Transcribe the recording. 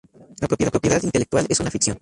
la propiedad intelectual es una ficción